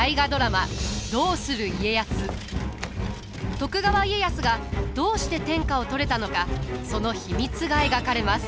徳川家康がどうして天下を取れたのかその秘密が描かれます。